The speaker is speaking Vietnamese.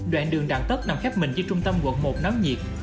đoạn đường đặng tất nằm khép mình trên trung tâm quận một nắng nhiệt